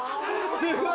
すごい。